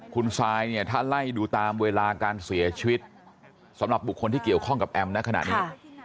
คุณซายเนี่ยถ้าไล่ดูตามเวลาการเสียชีวิตสำหรับบุคคลที่เกี่ยวข้องกับแอมนะขณะนี้